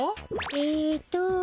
えっと。